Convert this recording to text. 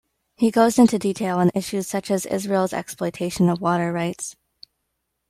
He goes into detail on issues such as Israel's exploitation of water rights.